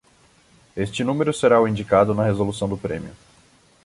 Este número será o indicado na resolução do prêmio.